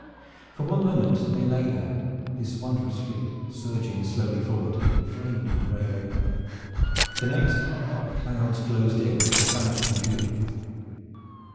For one moment they lay there, this wondrous fleet, surging slowly forward, framed in gray vapor. The next the clouds closed in and they had vanished from view.